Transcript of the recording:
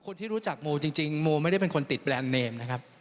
คนที่รู้จักโมจริงโมไม่ได้เป็นคนติดแบรนด์เนมนะครับ